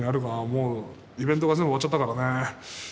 もうイベントが全部終わっちゃったからね。